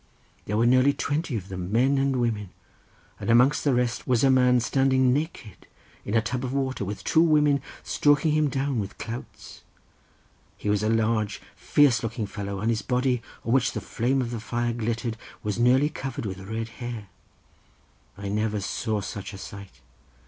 There were nearly twenty of them, men and women, and amongst the rest was a man standing naked in a tub of water with two women stroking him down with clouts. He was a large fierce looking fellow, and his body, on which the flame of the fire glittered, was nearly covered with red hair. I never saw such a sight.